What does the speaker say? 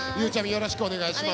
よろしくお願いしますよ。